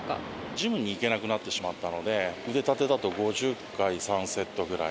ジムに行けなくなってしまったので、腕立てだと５０回３セットぐらい。